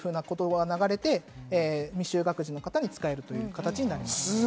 未就学児の方に使えるという形になります。